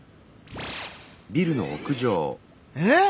えっ？